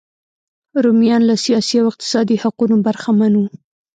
رومیان له سیاسي او اقتصادي حقونو برخمن وو.